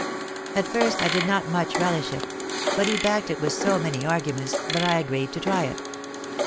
At first I did not much relish it: but he backed it with so many arguments, that I agreed to try it.